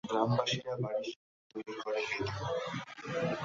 গ্রামবাসীরা বাড়ির সামনে তৈরি করে বেদি।